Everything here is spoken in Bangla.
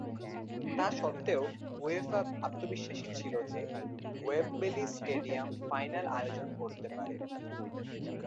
তা সত্ত্বেও উয়েফা আত্মবিশ্বাসী ছিল যে ওয়েম্বলি স্টেডিয়াম ফাইনাল আয়োজন করতে পারে।